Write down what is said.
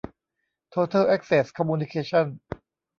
โทเทิ่ล แอ็คเซ็ส คอมมูนิเคชั่น